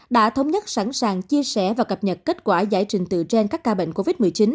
đã thống nhất sẵn sàng chia sẻ và cập nhật kết quả giải trình từ trên các ca bệnh covid một mươi chín